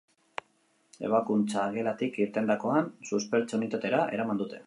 Ebakuntza-gelatik irtendakoan, suspertze unitatera eraman dute.